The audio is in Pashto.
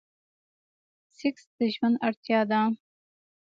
سيکس د ژوند اړتيا ده.